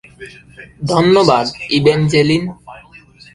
ধন্যবাদ, ইভ্যাঞ্জেলিন।